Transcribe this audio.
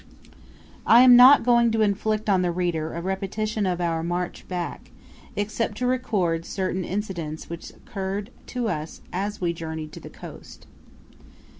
I am not going to inflict on the reader a repetition of our march back, except to record certain incidents which occurred to us as we journeyed to the coast.